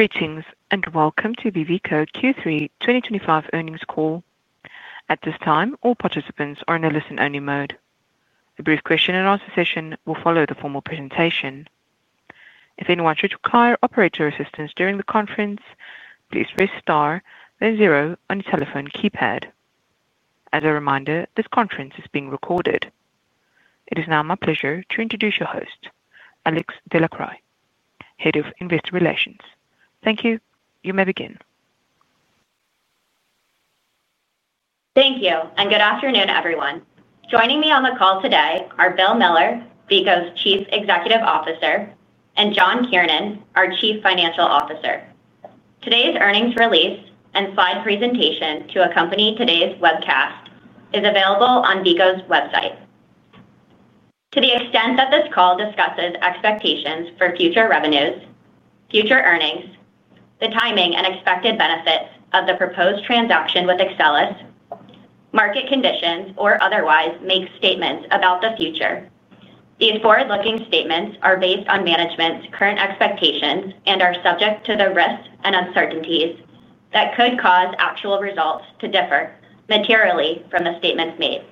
Greetings and welcome to the Veeco Q3 2025 earnings call. At this time, all participants are in a listen-only mode. The brief question-and-answer session will follow the formal presentation. If anyone should require operator assistance during the conference, please press star then zero on your telephone keypad. As a reminder, this conference is being recorded. It is now my pleasure to introduce your host, Alex Delacroix, Head of Investor Relations. Thank you. You may begin. Thank you, and good afternoon, everyone. Joining me on the call today are Bill Miller, Veeco's Chief Executive Officer, and John Kiernan, our Chief Financial Officer. Today's earnings release and slide presentation to accompany today's webcast is available on Veeco's website. To the extent that this call discusses expectations for future revenues, future earnings, the timing and expected benefits of the proposed transaction with Accellis, market conditions, or otherwise make statements about the future, these forward-looking statements are based on management's current expectations and are subject to the risks and uncertainties that could cause actual results to differ materially from the statements made.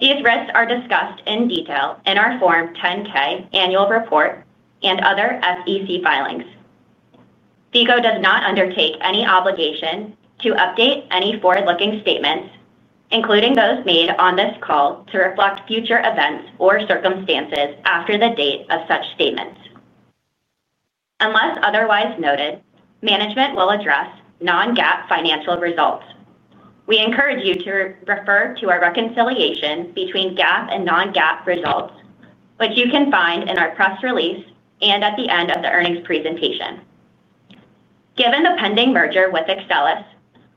These risks are discussed in detail in our Form 10-K annual report and other SEC filings. Veeco does not undertake any obligation to update any forward-looking statements, including those made on this call, to reflect future events or circumstances after the date of such statements. Unless otherwise noted, management will address non-GAAP financial results. We encourage you to refer to our reconciliation between GAAP and non-GAAP results, which you can find in our press release and at the end of the earnings presentation. Given the pending merger with Accellis,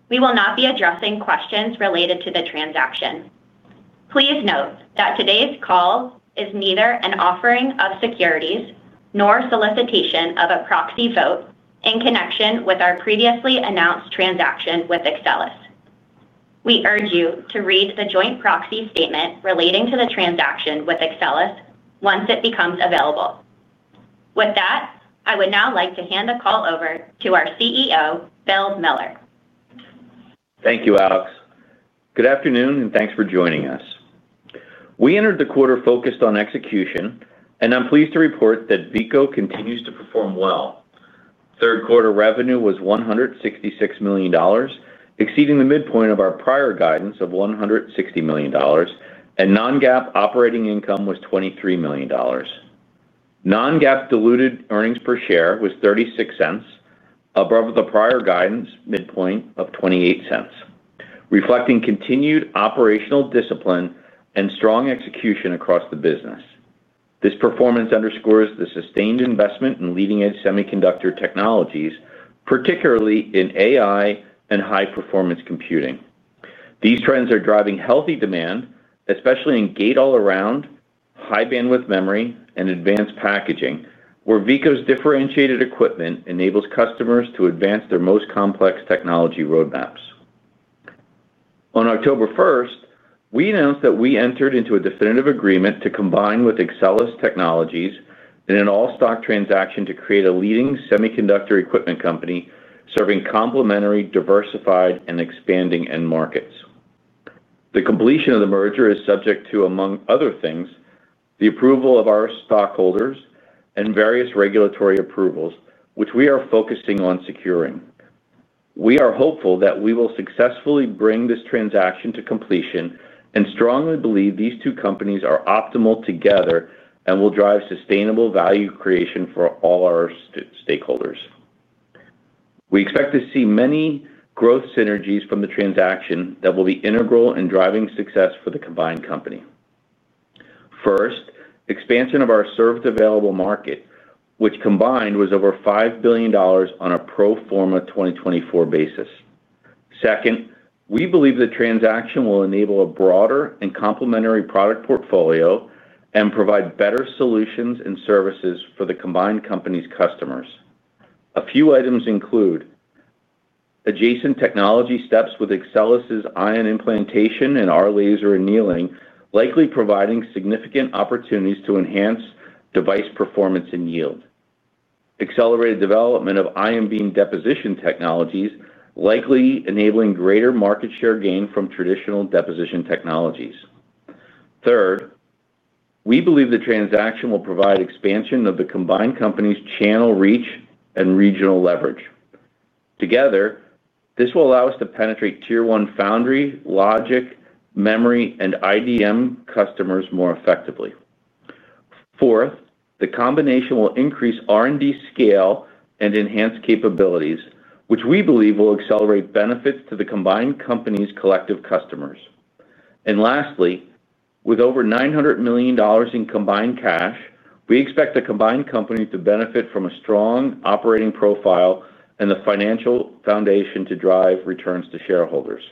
we will not be addressing questions related to the transaction. Please note that today's call is neither an offering of securities nor solicitation of a proxy vote in connection with our previously announced transaction with Accellis. We urge you to read the joint proxy statement relating to the transaction with Accellis once it becomes available. With that, I would now like to hand the call over to our CEO, Bill Miller. Thank you, Alex. Good afternoon, and thanks for joining us. We entered the quarter focused on execution, and I'm pleased to report that Veeco continues to perform well. Third-quarter revenue was $166 million, exceeding the midpoint of our prior guidance of $160 million, and non-GAAP operating income was $23 million. Non-GAAP diluted earnings per share was $0.36, above the prior guidance midpoint of $0.28, reflecting continued operational discipline and strong execution across the business. This performance underscores the sustained investment in leading-edge semiconductor technologies, particularly in AI and high-performance computing. These trends are driving healthy demand, especially in gate-all-around, high-bandwidth memory, and advanced packaging, where Veeco's differentiated equipment enables customers to advance their most complex technology roadmaps. On October 1st, we announced that we entered into a definitive agreement to combine with Accellis Technologies in an all-stock transaction to create a leading semiconductor equipment company serving complementary, diversified, and expanding end markets. The completion of the merger is subject to, among other things, the approval of our stockholders and various regulatory approvals, which we are focusing on securing. We are hopeful that we will successfully bring this transaction to completion and strongly believe these two companies are optimal together and will drive sustainable value creation for all our stakeholders. We expect to see many growth synergies from the transaction that will be integral in driving success for the combined company. First, expansion of our served-available market, which combined was over $5 billion on a pro forma 2024 basis. Second, we believe the transaction will enable a broader and complementary product portfolio and provide better solutions and services for the combined company's customers. A few items include adjacent technology steps with Accellis's ion implantation and our laser annealing, likely providing significant opportunities to enhance device performance and yield. Accelerated development of ion beam deposition technologies likely enabling greater market share gain from traditional deposition technologies. Third, we believe the transaction will provide expansion of the combined company's channel reach and regional leverage. Together, this will allow us to penetrate Tier 1 foundry, logic, memory, and IDM customers more effectively. Fourth, the combination will increase R&D scale and enhance capabilities, which we believe will accelerate benefits to the combined company's collective customers. Lastly, with over $900 million in combined cash, we expect the combined company to benefit from a strong operating profile and the financial foundation to drive returns to shareholders.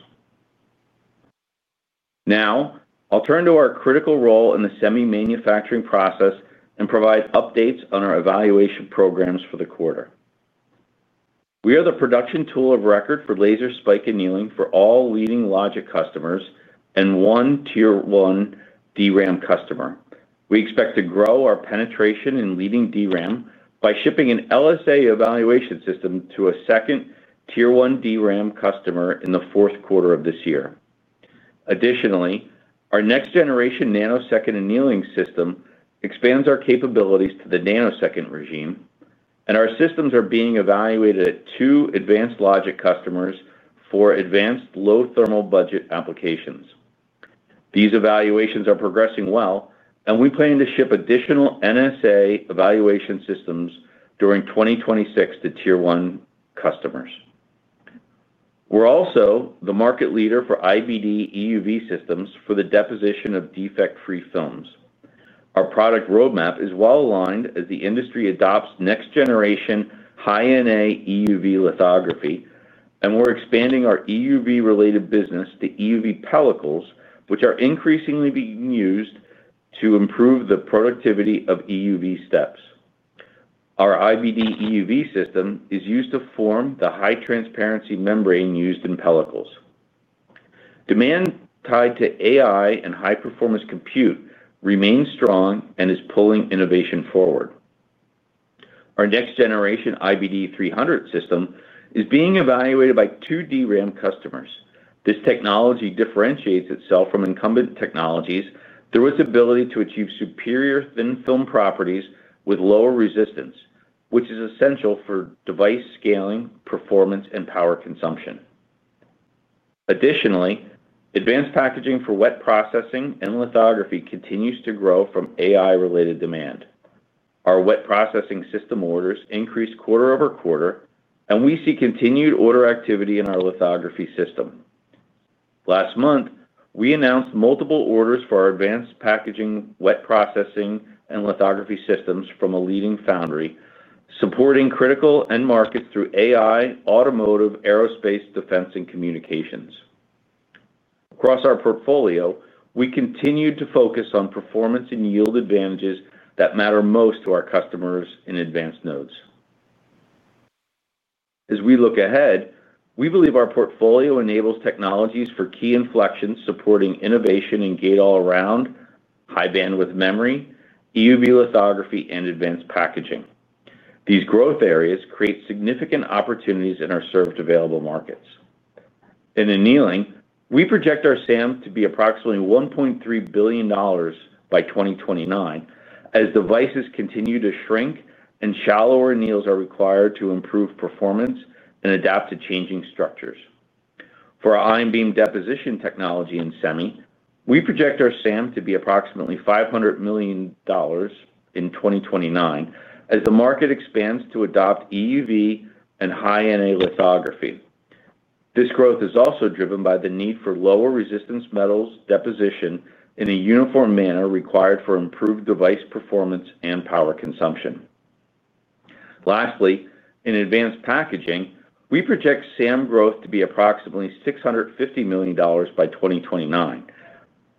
Now, I'll turn to our critical role in the semi-manufacturing process and provide updates on our evaluation programs for the quarter. We are the production tool of record for laser spike annealing for all leading logic customers and one Tier 1 DRAM customer. We expect to grow our penetration in leading DRAM by shipping an LSA evaluation system to a second Tier 1 DRAM customer in the fourth quarter of this year. Additionally, our next-generation nanosecond annealing system expands our capabilities to the nanosecond regime, and our systems are being evaluated at two advanced logic customers for advanced low-thermal budget applications. These evaluations are progressing well, and we plan to ship additional NSA evaluation systems during 2026 to Tier 1 customers. We're also the market leader for IBD EUV systems for the deposition of defect-free films. Our product roadmap is well aligned as the industry adopts next-generation high-NA EUV lithography, and we're expanding our EUV-related business to EUV pellicles, which are increasingly being used to improve the productivity of EUV steps. Our IBD EUV system is used to form the high-transparency membrane used in pellicles. Demand tied to AI and high-performance compute remains strong and is pulling innovation forward. Our next-generation IBD 300 system is being evaluated by two DRAM customers. This technology differentiates itself from incumbent technologies through its ability to achieve superior thin film properties with lower resistance, which is essential for device scaling, performance, and power consumption. Additionally, advanced packaging for wet processing and lithography continues to grow from AI-related demand. Our wet processing system orders increase quarter-over-quarter, and we see continued order activity in our lithography system. Last month, we announced multiple orders for our advanced packaging, wet processing, and lithography systems from a leading foundry, supporting critical end markets through AI, automotive, aerospace, defense, and communications. Across our portfolio, we continue to focus on performance and yield advantages that matter most to our customers in advanced nodes. As we look ahead, we believe our portfolio enables technologies for key inflections supporting innovation in gate-all-around, high-bandwidth memory, EUV lithography, and advanced packaging. These growth areas create significant opportunities in our served-available markets. In annealing, we project our SAM to be approximately $1.3 billion by 2029 as devices continue to shrink and shallower anneals are required to improve performance and adapt to changing structures. For our ion beam deposition technology in semi, we project our SAM to be approximately $500 million in 2029 as the market expands to adopt EUV and high-NA lithography. This growth is also driven by the need for lower-resistance metals deposition in a uniform manner required for improved device performance and power consumption. Lastly, in advanced packaging, we project SAM growth to be approximately $650 million by 2029,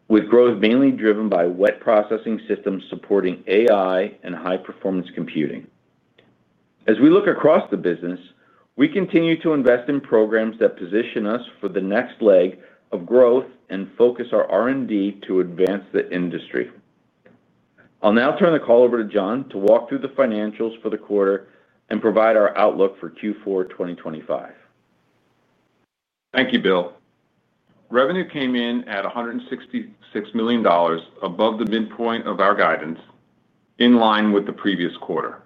with growth mainly driven by wet processing systems supporting AI and high-performance computing. As we look across the business, we continue to invest in programs that position us for the next leg of growth and focus our R&D to advance the industry. I'll now turn the call over to John to walk through the financials for the quarter and provide our outlook for Q4 2025. Thank you, Bill. Revenue came in at $166 million above the midpoint of our guidance, in line with the previous quarter.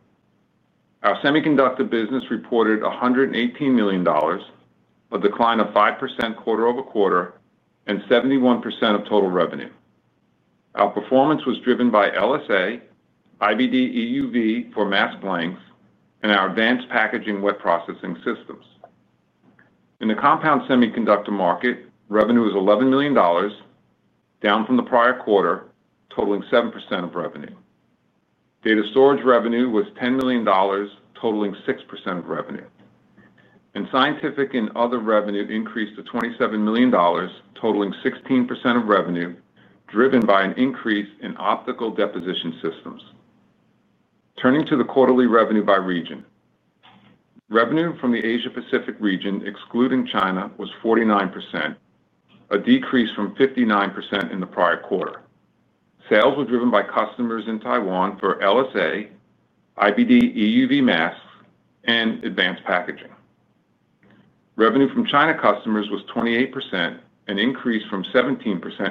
Our semiconductor business reported $118 million, a decline of 5% quarter-over-quarter and 71% of total revenue. Our performance was driven by LSA, IBD EUV for mask blanks, and our advanced packaging wet processing systems. In the compound semiconductor market, revenue was $11 million, down from the prior quarter, totaling 7% of revenue. Data storage revenue was $10 million, totaling 6% of revenue. Scientific and other revenue increased to $27 million, totaling 16% of revenue, driven by an increase in optical deposition systems. Turning to the quarterly revenue by region. Revenue from the Asia-Pacific region, excluding China, was 49%, a decrease from 59% in the prior quarter. Sales were driven by customers in Taiwan for LSA, IBD EUV masks, and advanced packaging. Revenue from China customers was 28%, an increase from 17%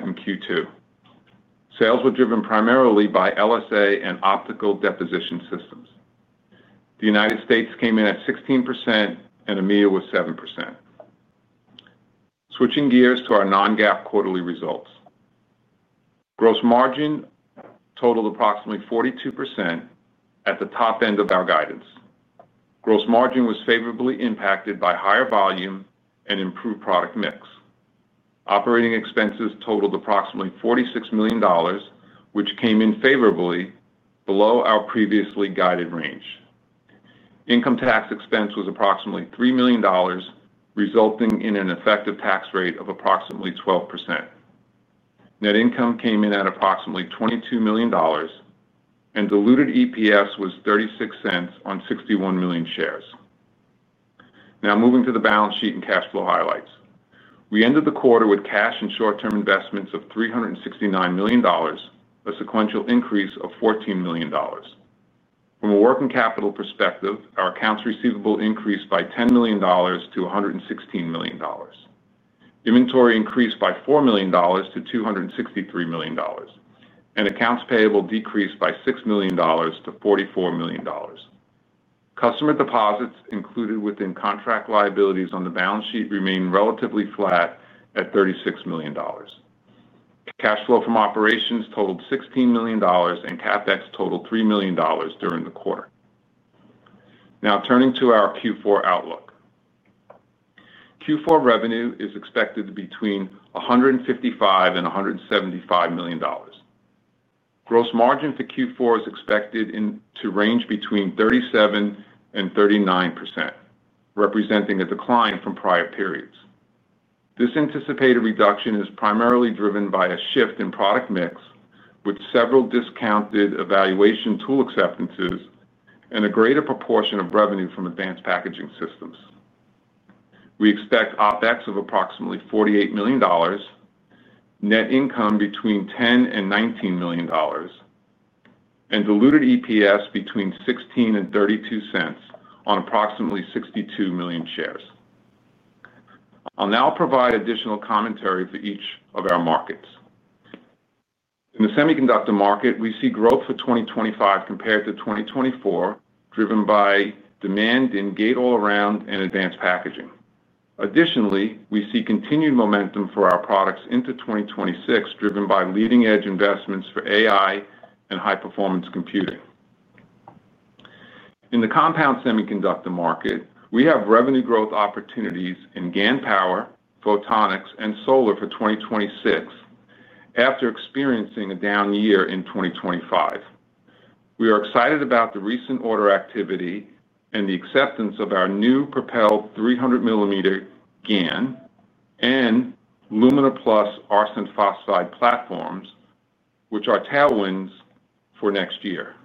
in Q2. Sales were driven primarily by LSA and optical deposition systems. The United States came in at 16%, and EMEA was 7%. Switching gears to our non-GAAP quarterly results. Gross margin totaled approximately 42% at the top end of our guidance. Gross margin was favorably impacted by higher volume and improved product mix. Operating expenses totaled approximately $46 million, which came in favorably below our previously guided range. Income tax expense was approximately $3 million, resulting in an effective tax rate of approximately 12%. Net income came in at approximately $22 million. Diluted EPS was $0.36 on 61 million shares. Now, moving to the balance sheet and cash flow highlights. We ended the quarter with cash and short-term investments of $369 million, a sequential increase of $14 million. From a working capital perspective, our accounts receivable increased by $10 million-$116 million. Inventory increased by $4 million-$263 million. Accounts payable decreased by $6 million-$44 million. Customer deposits included within contract liabilities on the balance sheet remained relatively flat at $36 million. Cash flow from operations totaled $16 million and CapEx totaled $3 million during the quarter. Now, turning to our Q4 outlook. Q4 revenue is expected to be between $155 million and $175 million. Gross margin for Q4 is expected to range between 37% and 39%, representing a decline from prior periods. This anticipated reduction is primarily driven by a shift in product mix, with several discounted evaluation tool acceptances and a greater proportion of revenue from advanced packaging systems. We expect OpEx of approximately $48 million. Net income between $10 million and $19 million. Diluted EPS between $0.16 and $0.32 on approximately 62 million shares. I'll now provide additional commentary for each of our markets. In the semiconductor market, we see growth for 2025 compared to 2024, driven by demand in gate-all-around and advanced packaging. Additionally, we see continued momentum for our products into 2026, driven by leading-edge investments for AI and high-performance computing. In the compound semiconductor market, we have revenue growth opportunities in GaN power, photonics, and solar for 2026 after experiencing a down year in 2025. We are excited about the recent order activity and the acceptance of our new Propel 300-mm GaN and Lumina Plus arsenide phosphide platforms, which are tailwinds for next year.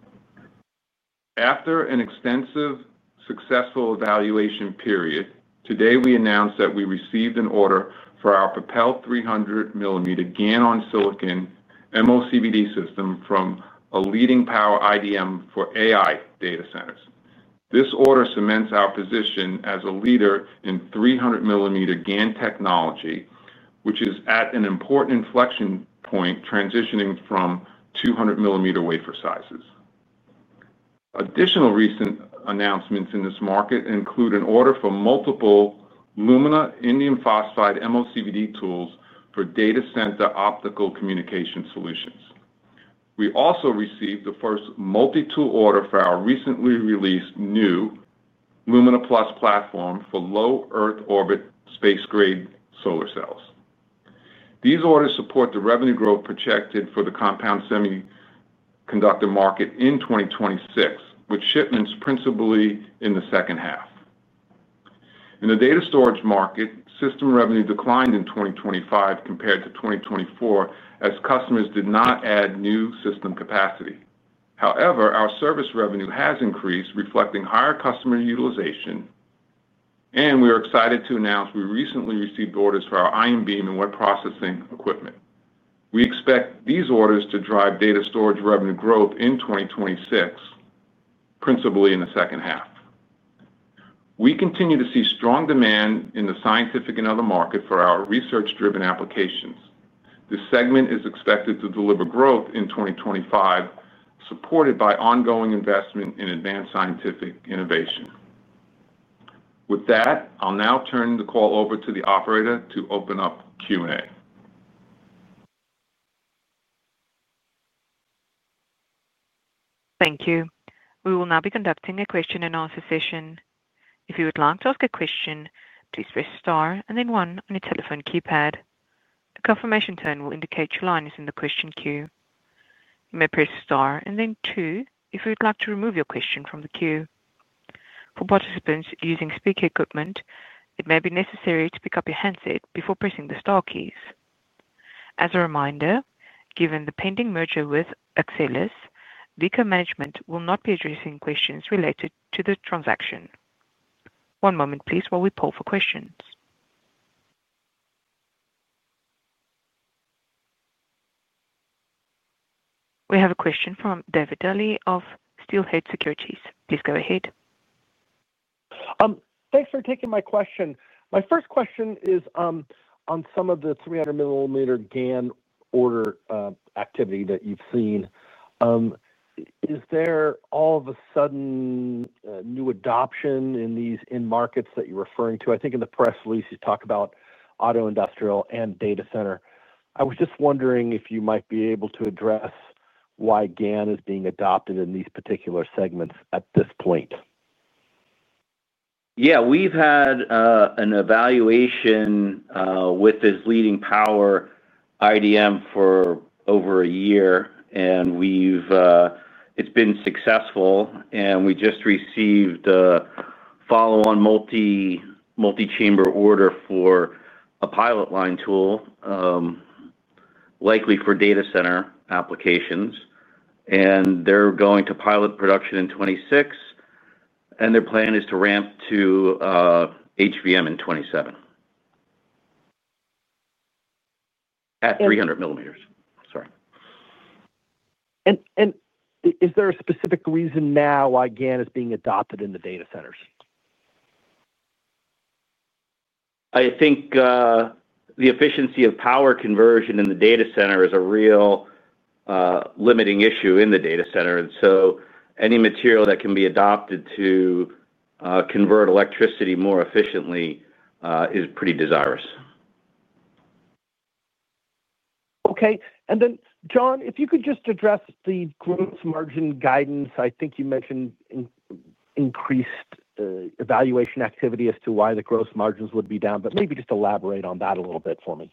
After an extensive, successful evaluation period, today we announced that we received an order for our Propel 300-mm GaN on silicon MOCVD system from a leading power IDM for AI data centers. This order cements our position as a leader in 300-mm GaN technology, which is at an important inflection point, transitioning from 200-mm wafer sizes. Additional recent announcements in this market include an order for multiple Lumina indium phosphide MOCVD tools for data center optical communication solutions. We also received the first multi-tool order for our recently released new Lumina Plus platform for low Earth orbit space-grade solar cells. These orders support the revenue growth projected for the compound semiconductor market in 2026, with shipments principally in the second half. In the data storage market, system revenue declined in 2025 compared to 2024 as customers did not add new system capacity. However, our service revenue has increased, reflecting higher customer utilization. We are excited to announce we recently received orders for our ion beam and wet processing equipment. We expect these orders to drive data storage revenue growth in 2026. Principally in the second half. We continue to see strong demand in the scientific and other market for our research-driven applications. This segment is expected to deliver growth in 2025, supported by ongoing investment in advanced scientific innovation. With that, I'll now turn the call over to the operator to open up Q&A. Thank you. We will now be conducting a question-and-answer session. If you would like to ask a question, please press star and then one on your telephone keypad. A confirmation tone will indicate your line is in the question queue. You may press star and then two if you would like to remove your question from the queue. For participants using speaker equipment, it may be necessary to pick up your handset before pressing the star keys. As a reminder, given the pending merger with Accellis, Veeco management will not be addressing questions related to the transaction. One moment, please, while we poll for questions. We have a question from David Duley of Steelhead Securities. Please go ahead. Thanks for taking my question. My first question is, on some of the 300-mm GaN order activity that you've seen, is there all of a sudden new adoption in these markets that you're referring to? I think in the press release, you talk about auto, industrial, and data center. I was just wondering if you might be able to address why GaN is being adopted in these particular segments at this point. Yeah, we've had an evaluation with this leading power IDM for over a year, and it's been successful. We just received a follow-on multi-chamber order for a pilot line tool, likely for data center applications. They're going to pilot production in 2026, and their plan is to ramp to HVM in 2027 at 300 mm. Sorry. Is there a specific reason now why GaN is being adopted in the data centers? I think the efficiency of power conversion in the data center is a real limiting issue in the data center. Any material that can be adopted to convert electricity more efficiently is pretty desirous. Okay. John, if you could just address the gross margin guidance, I think you mentioned increased evaluation activity as to why the gross margins would be down, but maybe just elaborate on that a little bit for me.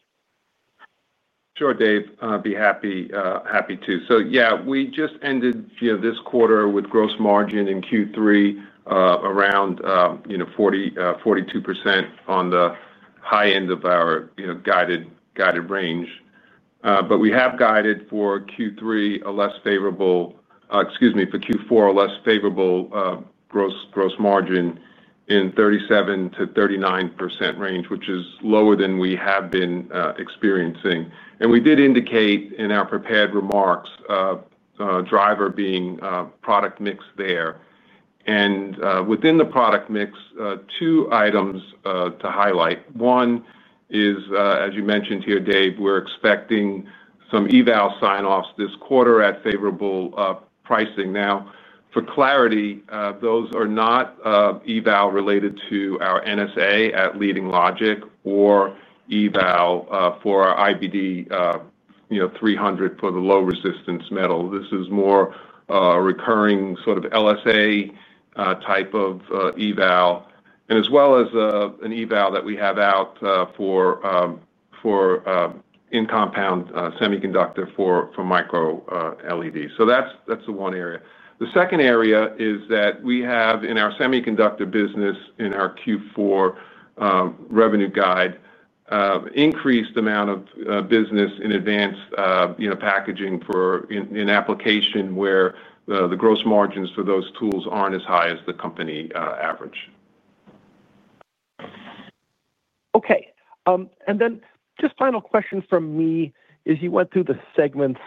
Sure, Dave. I'd be happy to. Yeah, we just ended this quarter with gross margin in Q3 around 42% on the high end of our guided range. We have guided for Q3 a less favorable—excuse me—for Q4 a less favorable gross margin in the 37%-39% range, which is lower than we have been experiencing. We did indicate in our prepared remarks, driver being product mix there. Within the product mix, two items to highlight. One is, as you mentioned here, Dave, we're expecting some eval sign-offs this quarter at favorable pricing. Now, for clarity, those are not eval related to our NSA at leading logic or eval for our IBD 300 for the low resistance metal. This is more a recurring sort of LSA type of eval, as well as an eval that we have out for, in compound semiconductor for micro LEDs. That's the one area. The second area is that we have in our semiconductor business in our Q4 revenue guide, increased amount of business in advanced packaging in application where the gross margins for those tools aren't as high as the company average. Okay. And then just final question from me is you went through the segments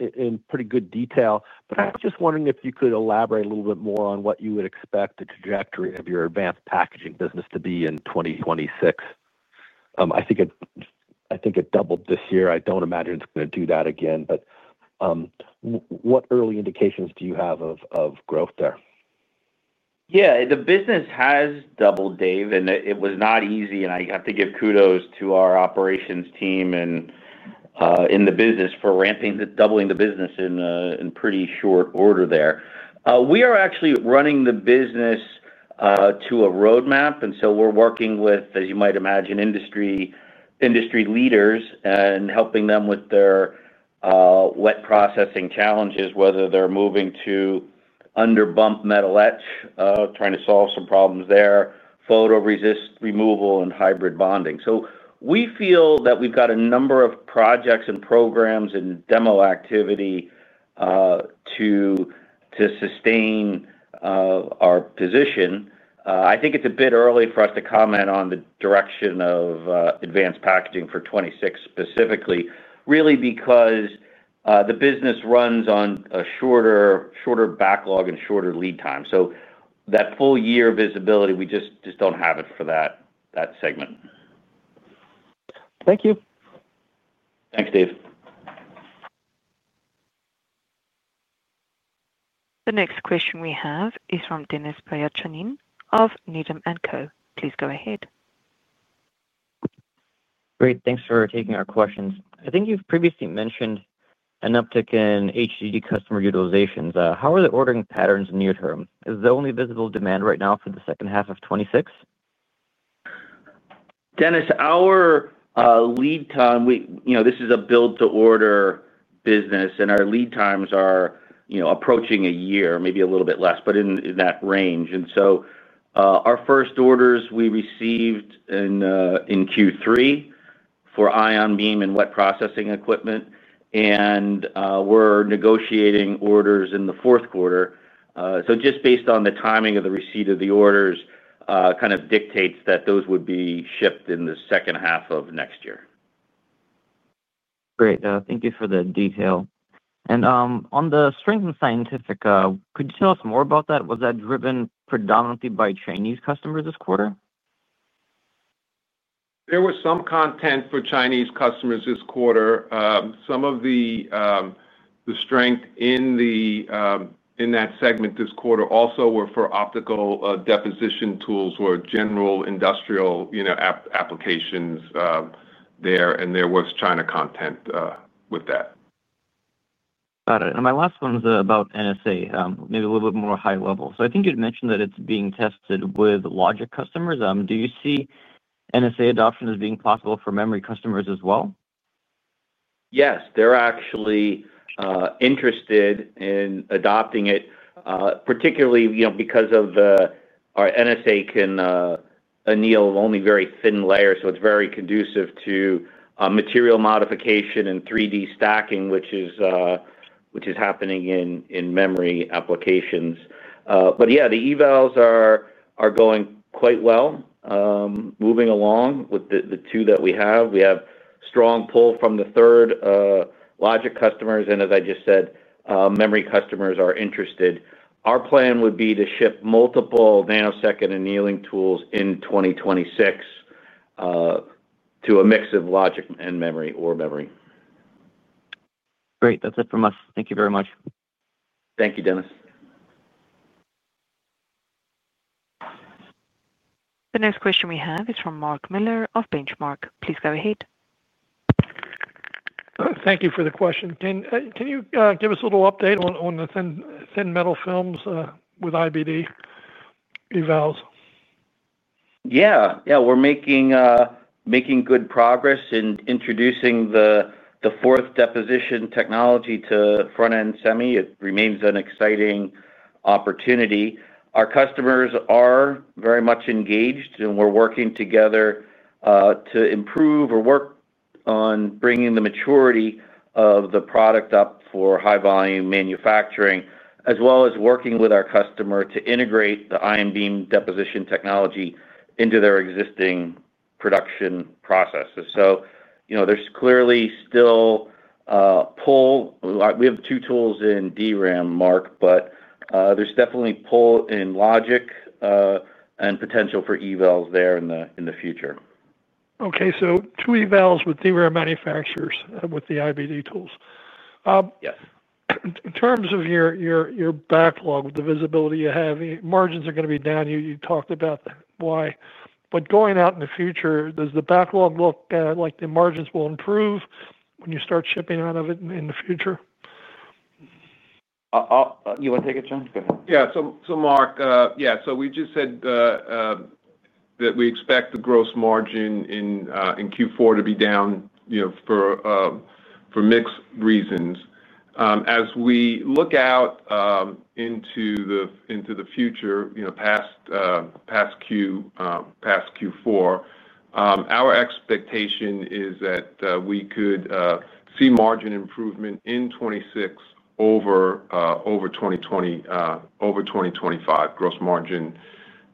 in pretty good detail, but I was just wondering if you could elaborate a little bit more on what you would expect the trajectory of your advanced packaging business to be in 2026. I think it doubled this year. I do not imagine it is going to do that again, but what early indications do you have of growth there? Yeah, the business has doubled, Dave, and it was not easy. I have to give kudos to our operations team and in the business for doubling the business in pretty short order there. We are actually running the business to a roadmap. We are working with, as you might imagine, industry leaders and helping them with their wet processing challenges, whether they're moving to under bump metal etch, trying to solve some problems there, photo resist removal, and hybrid bonding. We feel that we've got a number of projects and programs and demo activity to sustain our position. I think it's a bit early for us to comment on the direction of advanced packaging for 2026 specifically, really because the business runs on a shorter backlog and shorter lead time. That full year visibility, we just do not have it for that segment. Thank you. Thanks, Dave. The next question we have is from Denis Pyatchanin of Needham & Co. Please go ahead. Great. Thanks for taking our questions. I think you've previously mentioned an uptick in HDD customer utilizations. How are the ordering patterns near term? Is the only visible demand right now for the second half of 2026? Denis, our lead time—this is a build-to-order business—and our lead times are approaching a year, maybe a little bit less, but in that range. Our first orders we received in Q3 for ion beam and wet processing equipment. We are negotiating orders in the fourth quarter. Just based on the timing of the receipt of the orders kind of dictates that those would be shipped in the second half of next year. Great. Thank you for the detail. On the strength in scientific, could you tell us more about that? Was that driven predominantly by Chinese customers this quarter? There was some content for Chinese customers this quarter. Some of the strength in that segment this quarter also were for optical deposition tools for general industrial applications. There, and there was China content with that. Got it. My last one is about NSA, maybe a little bit more high level. I think you'd mentioned that it's being tested with logic customers. Do you see NSA adoption as being possible for memory customers as well? Yes. They're actually interested in adopting it, particularly because our NSA can anneal only very thin layers, so it's very conducive to material modification and 3D stacking, which is happening in memory applications. Yeah, the evals are going quite well. Moving along with the two that we have. We have a strong pull from the third logic customers. As I just said, memory customers are interested. Our plan would be to ship multiple nanosecond annealing tools in 2026 to a mix of logic and memory or memory. Great. That's it from us. Thank you very much. Thank you, Denis. The next question we have is from Mark Miller of Benchmark. Please go ahead. Thank you for the question. Can you give us a little update on the thin metal films with IBD evals? Yeah. Yeah, we're making good progress in introducing the fourth deposition technology to front-end semi. It remains an exciting opportunity. Our customers are very much engaged, and we're working together to improve or work on bringing the maturity of the product up for high-volume manufacturing, as well as working with our customer to integrate the ion beam deposition technology into their existing production processes. There's clearly still a pull. We have two tools in DRAM, Mark, but there's definitely a pull in logic and potential for evals there in the future. Okay. So two evals with DRAM manufacturers with the IBD tools. Yes. In terms of your backlog, the visibility you have, margins are going to be down. You talked about why. Going out in the future, does the backlog look like the margins will improve when you start shipping out of it in the future? You want to take a chance? Go ahead. Yeah. Mark, yeah. We just said that we expect the gross margin in Q4 to be down for mixed reasons. As we look out into the future, past Q4, our expectation is that we could see margin improvement in 2026 over 2025 gross margin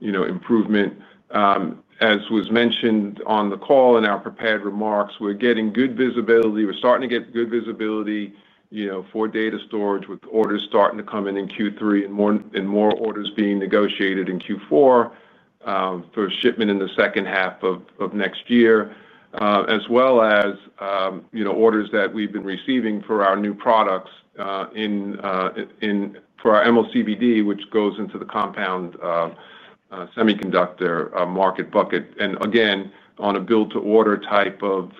improvement. As was mentioned on the call in our prepared remarks, we're getting good visibility. We're starting to get good visibility for data storage with orders starting to come in in Q3 and more orders being negotiated in Q4 for shipment in the second half of next year, as well as orders that we've been receiving for our new products, for our MLCBD, which goes into the compound semiconductor market bucket. Again, on a build-to-order type of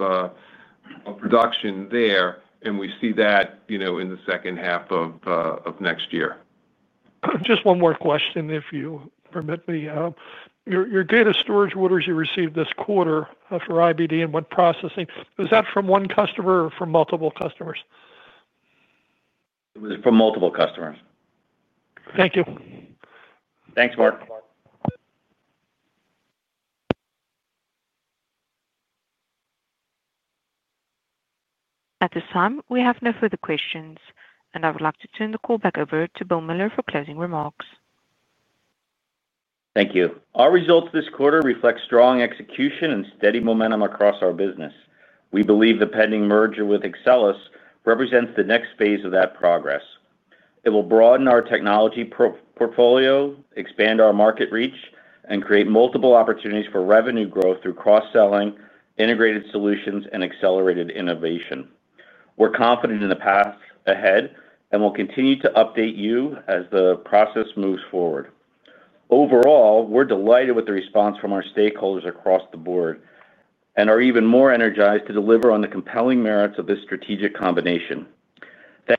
production there, and we see that in the second half of next year. Just one more question, if you permit me. Your data storage orders you received this quarter for IBD and wet processing, was that from one customer or from multiple customers? It was from multiple customers. Thank you. Thanks, Mark. At this time, we have no further questions, and I would like to turn the call back over to Bill Miller for closing remarks. Thank you. Our results this quarter reflect strong execution and steady momentum across our business. We believe the pending merger with Accellis represents the next phase of that progress. It will broaden our technology portfolio, expand our market reach, and create multiple opportunities for revenue growth through cross-selling, integrated solutions, and accelerated innovation. We're confident in the path ahead and will continue to update you as the process moves forward. Overall, we're delighted with the response from our stakeholders across the board and are even more energized to deliver on the compelling merits of this strategic combination.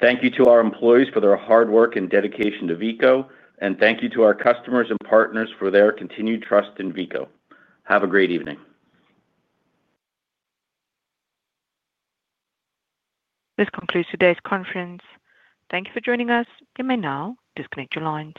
Thank you to our employees for their hard work and dedication to Veeco, and thank you to our customers and partners for their continued trust in Veeco. Have a great evening. This concludes today's conference. Thank you for joining us. You may now disconnect your line.